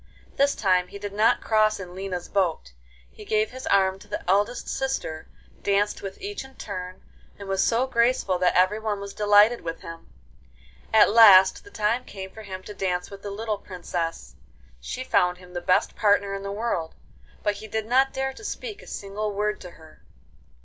This time he did not cross in Lina's boat. He gave his arm to the eldest sister, danced with each in turn, and was so graceful that everyone was delighted with him. At last the time came for him to dance with the little Princess. She found him the best partner in the world, but he did not dare to speak a single word to her.